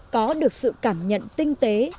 có được sự cảm nhận tinh tế